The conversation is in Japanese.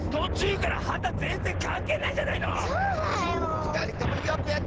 ふたりともよくやった！